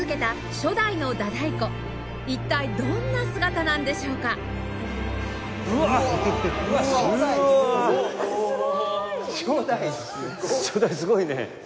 初代すごいね。